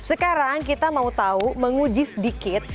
sekarang kita mau tahu menguji sedikit